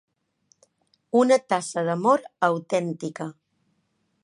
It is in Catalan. Una tassa d'amor autèntica.